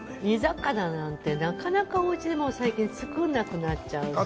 煮魚なんてなかなかおうちでもう最近作らなくなっちゃう。